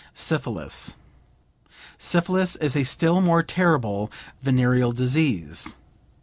SYPHILIS Syphilis is a still more terrible venereal disease.